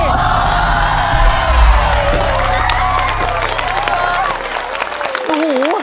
โอ้โห